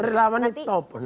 relawan ini top